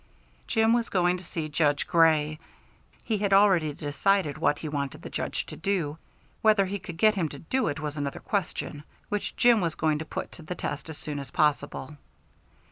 Jim was going to see Judge Grey. He had already decided what he wanted the Judge to do; whether he could get him to do it was another question, which Jim was going to put to the test as soon as possible.